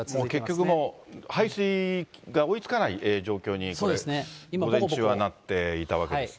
結局もう、排水が追いつかない状況に午前中はなっていたわけですね。